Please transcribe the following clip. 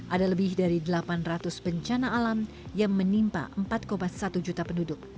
ada lebih dari delapan ratus bencana alam yang menimpa empat satu juta penduduk